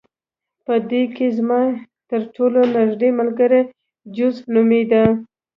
په دوی کې زما ترټولو نږدې ملګری جوزف نومېده